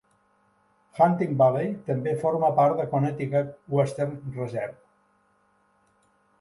Hunting Valley també forma part de la Connecticut Western Reserve.